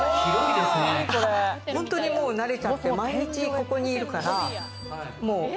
本当に慣れちゃって、毎日ここにいるから。